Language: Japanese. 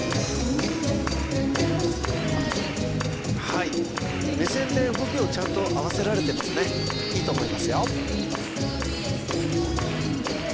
はい目線で動きをちゃんと合わせられてますねいいと思いますよ